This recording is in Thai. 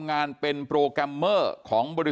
กลุ่มตัวเชียงใหม่